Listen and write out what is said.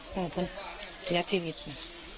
หรือพนนั่นเสียชีวิตมั้ย